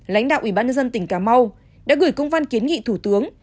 lãnh đạo ủy ban nhân dân tỉnh cà mau đã gửi công văn kiến nghị thủ tướng